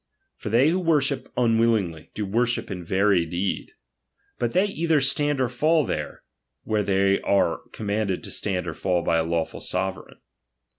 For they who worship unwillingly, do worship in very i deed : but they either stand or fall there, where they are com manded to stand or fall by a lawful sovereigii.